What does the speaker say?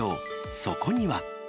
そこには。